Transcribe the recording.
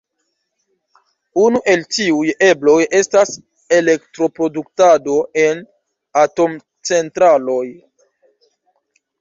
Unu el tiuj ebloj estas elektroproduktado en atomcentraloj.